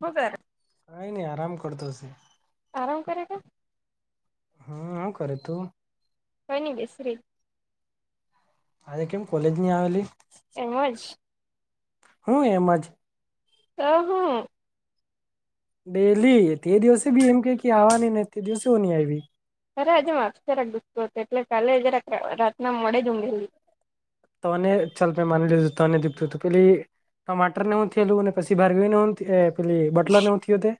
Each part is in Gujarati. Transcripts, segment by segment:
હું કરે કાંઈ ની આરામ કરતો શે. આરામ કરે કે? હા, હું કરે તું? કંઇની બેસી રેય. આજે કેમ કોલેજ ની આવેલી? એમજ હું એમ જ? રહું ડેઇલી તે દિવસે બી એમ કેય કે આવા ની ને દિવસે હો ની આયવી અરે આજે માથુ જરાક દુઃખતું હતુ કાલે જરાક રાતના મોડે જ ઉંઘેલી. તને ચાલ મે માની લીધું તને દુઃખતું હતુ પેલી ટમાટર ને હું થેયલું? ને પછી ભારવીને તે એ પેલી બટલર ને હું થયુ તે?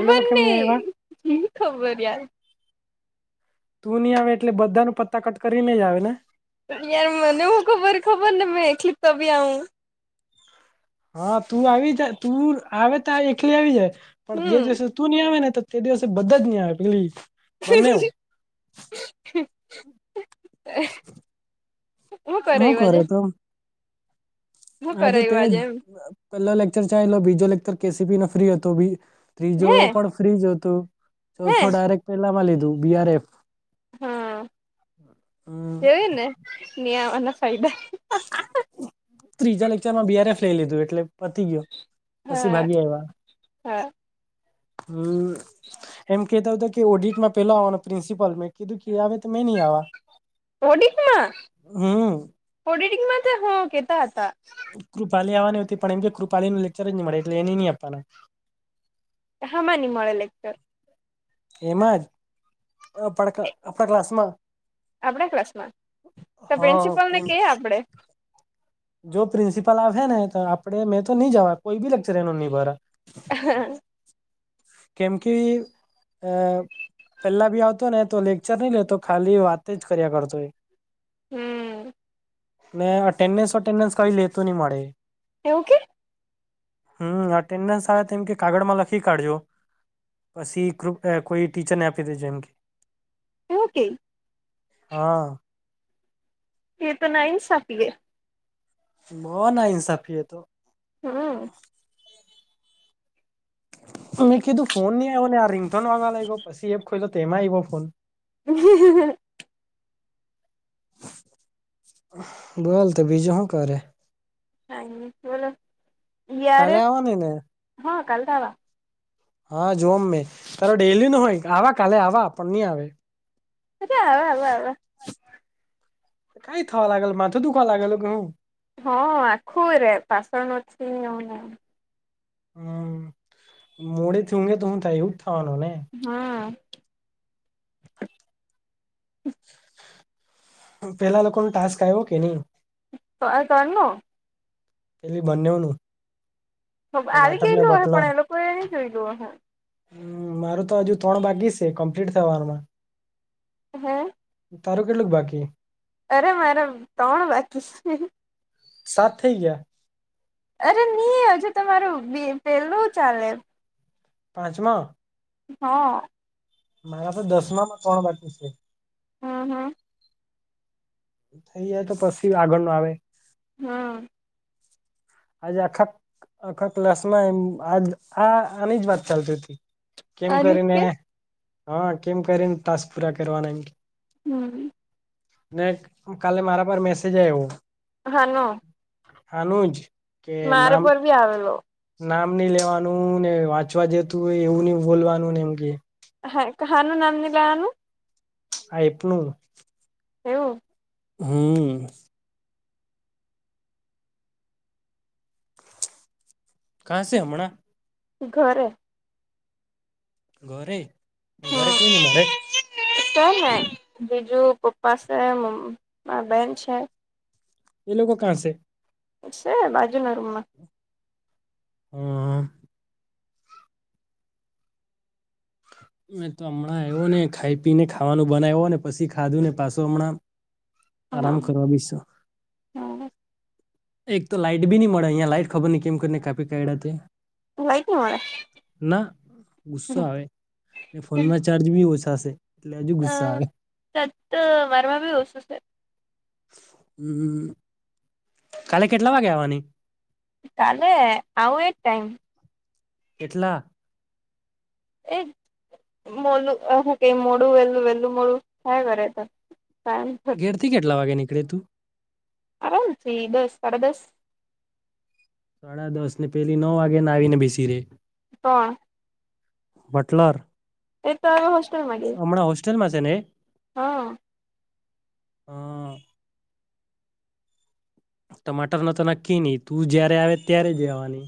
એ લોકો કેમ નહી ની આવ્યા ની ખબર યાર! તું ની આવે એટલે બધાનું પત્તા કટ કરી ને જ આવે ને! યાર મને હું ખબર ખબર ની મેં એકલી જ તો બી આવું હા તું આવી જા તું આવે તો આવે એકલી આવી જાય પણ જે હમ દિવસે તું ની આવે ને તે તે દિવસે બધા જ ની આવે પેલી બનેવ હહહ [unintelligible] હું કરે એવા જે? આજે કરાયું તેં એમ અ પેલો લેક્ચર ચાયલો બીજો લેક્ચર કે સી બી નો ફ્રી અતો બી ત્રીજો હે પણ ફ્રી જ અતો હે ચોથો ડાયરેક્ટ પેલામાં લીધું બી આર એફ હાં જોયું ને ની આવવાના ફાયદા ત્રીજા લેક્ચરમાં બી આર એફ લલઈ લીધું એટલે પતી ગયુ પસી હા ભાગી આયવા હા હમ્મ એમ કેતો અતો કે ઓડિટમાં પેલો આવાનો પ્રિન્સિપલ, મેં કીધું કે એ આવે તો મેં નહી આવા. ઓડિટમાં? હમ ઓડિટમાં તે હું કેતા અતા. કૃપાલી આવવાની ઉતી પણ એમ કે કૃપાલીને લેકચર જ ની મળે એટલે એને ની આપવાના. હામાં ની મળે લેક્ચર? એમાં જ આપણા આપણા ક્લાસમાં આપડા ક્લાસમાં? તો હા પ્રિન્સિપલને પ્રિન્સ- કેય આપડે. જો પ્રિન્સિપલ આવેે હેને તો આપડે મેં તો ની જવા કોઈ બી લેક્ચર એનું ની ભરા. હા. કેમ કી અ પેલા બી આવતો ને તો લેક્ચર ની લેતો ખાલી વાતે જ કર્યા કરતો એ. હમ્મ ને અટેન્ડન્સ અટેન્ડન્સ કઈ લેતો ની મળે એ એવું કે? હમ્મ અટેન્ડન્સ આવે તો એમ કે કાગળમાં લખી કાઢજો. પસી ક્રુપ્ડ કોઈ ટીચરને આપી દેજો એમ કેય એમ કેય? હા એ તો નાઈન્સાફી એ બો નાઇન્સાફીએ તો હં મેં કીધું ફોન નઈ આવ્યો ને આ રિંગથોન વાગવા લાગ ગ્યો પછી એ ખો લો તેમાં આ આવી્યો ફોન. હ-હ-હ બોલ તો બીજું હું કરે. કાલે આવવાની ને [unintelligible] હા જો મે તાર ડેલી ન હોય આ કાલે આ પણ નહી આવે. [unintelligible] કઈ થવા લાગેલ માથું દુખાવા લાગેલ કે હું. હ આખું રે પાસણ નથી આવવાના. હમ મોડેથી ઊઘે તો હું થાય એવું જ થવાનું ને. હા. પેલા લોકો ને ટાસ્ક આવ્યો કે નહી. ત તર ન [inaudible] પેલી બનેવનુ. આવી ગયેલું હ પણ એ લોકો એ નહી જોયતુ હ. હમ્મ મારે તો હજુ ત્રણ બાકી છે કમ્પ્લીટ થવારમા. હું. તારું કેટલું બાકી અરે મારે તમારું બાકી હૈ. સાત થઈ ગયા. અરે નહી હજુ તમારું પ પેલું ચાલે. પાંચમાં. હા. મારા તો દસમા માં ત્રળ બાકી છે. હમ્મ હમ્મ. થઈ જાય તો પછી આગળ નુ આવે. હમ્મ. આજે આખા આખા ક્લાસમાં આજ આ આની જ વાત ચાલતી હતી. કેમ અનિક કરીને કે હા કેમ કરીને ટાસ્ક પૂરા કરવાના એમ. હમ્મ. ને કાલે મારા પર મેસેજ આવ્યો. હલો. હાનુંજ કે નામ પર બી આવેલો નામ નહિ લેવાનું ને વાંચવા જતું હોય એવું નઈ બોલવાનું ને એમ કે. હા કહાનું નામ ની લેવાનું. આ એ પણનું એવું. હમ્મ. કા છે હમણાં. ઘરે. ઘરે ઘરે કોઈ ની મળે. તમે બીજું પપ્પા સે મમ્ બેન છે. એ લોકો કા સે. છે બાજુ ના રૂમમાં હમ્મ. [inaudible] મે તો હમણાં આવ્યો ને ખાઈ પીને ખાવાનું બનાવ્યો ને પછી ખાધું ને પાછો હમણાં હ આરામ કરવા બીસો એક તો લાઈટ બી નહી મળે અહીયાં લાઈટ ખબર નય કેમને કાપી કાઢડા તે લાઈટ ની મળે. ના ગુસ્સો આવે ફોનમાં ચાર્જ બી ઓછાશે એટલે હજુ ગુસ્સા આવે તત વારવા વી વસુ છે. હમ કાલે કેટલા વાગે આવાની તાલે આવું એ ટાઈમ કેટલા એક મોલું અ હું કેય મોડું વેલું વેલું મોડું થાય વરે ત થાય ત ઘેરથી કેટલા વાગે નીકળે તું આમરા થી દસ સાડા દસ સાડા દસ ને પેલી નવ વાગ્યાના આવીને બેસી રે કોણ બટલર એતો હવે હોસ્ટેલમાં ગઈ ચલમાં છેને હં હા ટમાટરનો તો નક્કીની તું જયારે આવે ત્યારે જ એ આવાની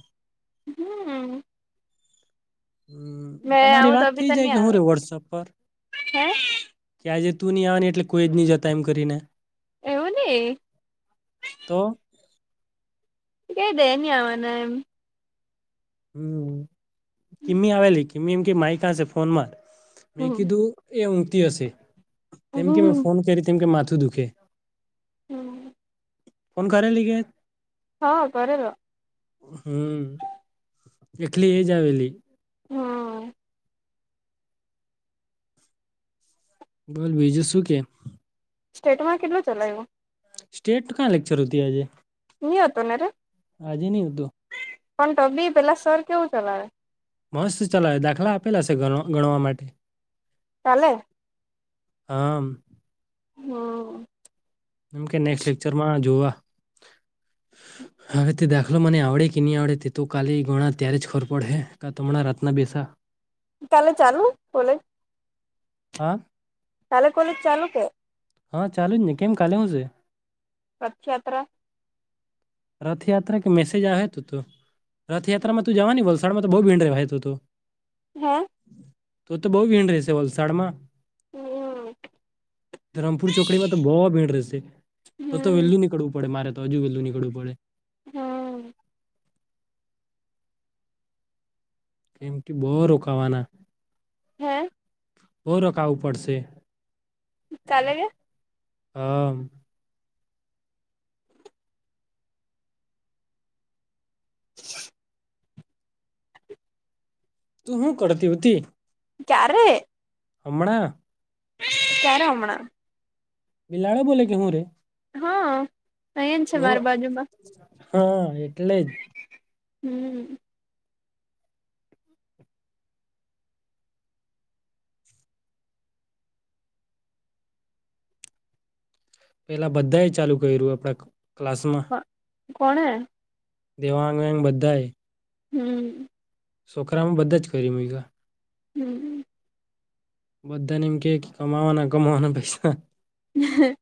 હમ હમ મેં તમારી આવું તો વાત થઇ બી તો જાય નહી કે આવે હું રે વોટ્સઅપ પર હે કે આજે તું ની આવાની એટલે કોઈ જ ની જતા એમ કરીને એવું ની તો કેય દે ની આવાના એમ. હમ કિમી આવેલી કિમી એમ કે માહી કયાસે ફોન માર મેં હમ કીધું એ ઊંઘતી હશે તેમ કે મેં હમ ફોન કરી કે માથું દુખે હમ. ફોન કરેલી કે હા. કરેલો હમ્મ. એકલી એજ આવેલી. હય બોલ બીજું શું કે સ્ટેટમાં કેટલું ચલાયવું સ્ટેટ કા લેક્ચર હોતી આજે ની હતો ને રે આજે નહી હતું પણ ત બી પેલા સર કેવું ચલાવે. મસ્ત ચાલાવે દાખલા આપેલા છે ગણવા માટે. કાલે આમ હમ. કેમકે નેક્સ્ટ લેક્ચરમાં જેવા હવે એ ઑ હું મને આવડે કે નહીં આવડે તે તો કાલે ગણાં ત્યારે જ ખબર પડેહે કા તો હમણાં રાતના બેસા. કાલે ચાલુ કોલેજ. હા. કાલે કોલેજ ચાલુ કે. હા ચાલુ જ ને કેમ કાલે હું છે. રથ યાત્રા. રથયાત્રા કે મેસેજ આવે હતું તો રથયાત્રામાં તું જવાની વલસાડ માં તો બહુ ભીંડ રહેવા હતું હતું. હમ. તો તો બહુ ભીડ રહેશે વલસાડમાં હમ. ધરમપુર ચોકડીમાં તો બહુ ભીડ રહેશે તો તો હમ વેહેલું નીકળવું પડે મારે તો હજુ વહેલુ નીકળું પડે. હા. કેમ કે બો રોકાવાના. હે. બો રોકાવ પડશે. તાલે ગ. હા. હ [inaudible] તું હું કરતી હોતી. ક્યારે. હમણાં. કયારે હમણાં બિલાડા બોલે કે હું રે. હા અહીજ છે બો મારી બાજુમાં. હા એટલે જ. હમ. પેલા બધા એ ચાલુ કર્યું આપણા ક્લાસમાં. કોણે. દેવાંગન બધાય. હમ. છોકરામાં બધા જ કરી મીલા. હમ. બધાને એમ કે કે કમાવાના કમાવાના પૈસા. હ.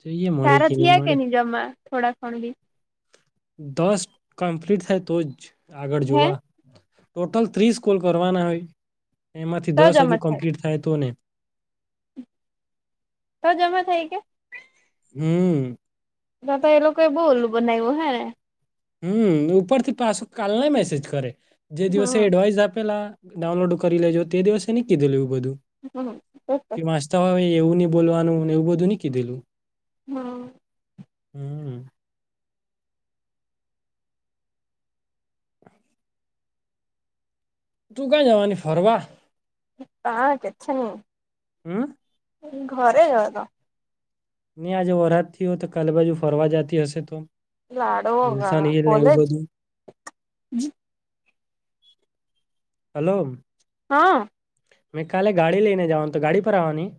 જોઈએ મળે તારા નહી થયા કે મળે ની જમા થોડા ઘણ બી. દસ કમ્પ્લીટ થાય તો જ આગળ હે જોવા. ટોટલ ત્રીસ કોલ કરવાના હોય એમાંથી તો દસ હજુ જમા કમ્પ્લીટ થાય તો ને. ત જમા થાય કે. હમ. ત તો એ લોકો એ બઉ ઉલ્લૂ બનાવ્યો હે ને. હમ ઉપર થી પાછું કાલ ના મેસેજ કરે જે દિવસે હમ એડવાઈસ આપેલા ડાઉનલોડ કરી લેજો તે દિવસે ની કીધેલું બધું. હમ સ. [inaudible] કે વાચતા હોય એવું નઈ બોલવાનું એવું બધું નહી કીધેલું. હમ. હમ. તું ક્યાં જવાની ફરવા. હા કેચ ન [inaudible] હમ. ઘરે જ તો. નહી આજે વરસાદ થી હોય તો કાલે બાજુ ફરવા જતી હશે તો. લાડો હ હિલસન હિલ ને એવું કોલેજ. બધું હલો. હા. મે કાલે ગાડી લઈને જવાનો, તું ગાડી પર આવવાની.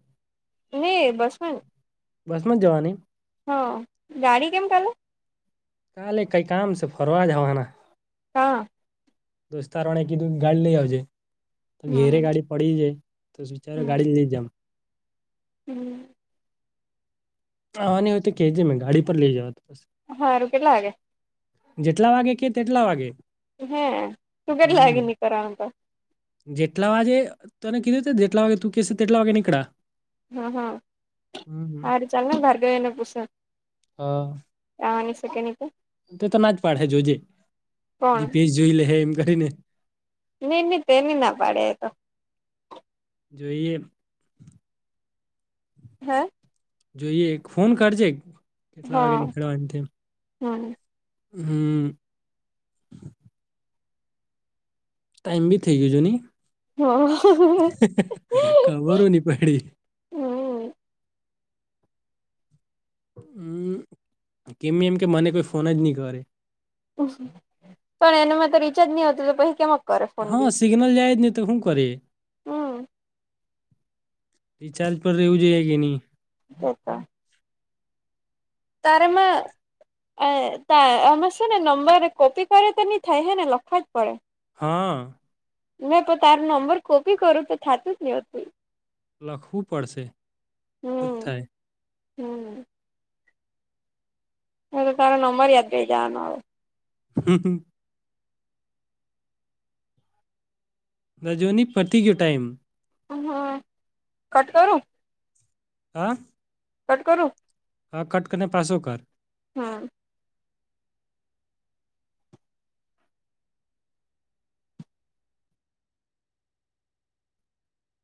નય બસ માં જઈશ. બસમાં જ જવાની. હ ગાડી કેમ કાલે. કાલે કઈ કામ છે ફરવા જવાના હા દોસ્તારો એ કીધું કે ગાડી લઈ આવજે ઘરે હમ ગાડી પડી જ છે. તો વિચાર્યું હમ ગાડીને લઈ જાવ. હમ આવવાની હોય તો કેજે હું તને ગાડી પર લઈ જઇસ. સારુ કેટલા વાગે. જેટલા વાગે કે તેટલા વાગે હે તું કેટલા હમ વાગે નીકળવાનો કાલ જેટલા વાગે તને કીધું તું ને જેટલા વાગે તું કહીશ તેટલા વાગે નીકળા હા હા હમ સારુ ચલને ભાર્ગવી ને પૂછુ હા આવવાની છે કે નહીં એ તે તેતો ના જ પાડસે જોજે કોણ દિપેશ જોઈ લેસે એમ કરીને નય નય તે નય ના પાડે એતો જોઈએ હે અ જોઈએ એક ફોન કરજે કેટલા વાગે નીકળવાનું તે. સારુ [unintelligible] હમ.. ટાઈમ બી ગયો છે નય હમ ખબર હો નય પડી હમ હમ એમને એમ કે મને કોઈ ફોન જ નહી કરે. પણ એના ફોનમાતો રિચાર્જ નથી હોતું તો પછી કેમ- હ સિગ્નલ જાયને તો શું કરી હમ... રિચાર્જ પર રેવુ જોઈએ કે નહીં [inaudible] તારામાં આમાં છેને નંબર કોપી કરે તો નહી થાય હેને લખવો જ પડે હાઆ. મે તારો નંબર કોપી કરું તો થાતું જ ન હતું. લખવું પડશે તો ત થાય હમ્મ હવે તારો નંબર યાદ રઈ જવાનો હવે [inaudible] રજોની પતી ગયો ટાઈમ હ.. કટ કરું હા કટ કરું હા કટ કરીને પાછો કર હમ્મ